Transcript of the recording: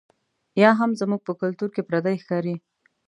یا هم زموږ په کلتور کې پردۍ ښکاري.